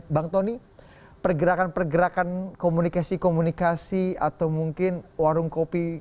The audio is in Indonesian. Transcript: bang tony pergerakan pergerakan komunikasi komunikasi atau mungkin warung kopi